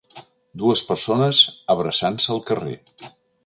Dues persones abraçant-se al carrer.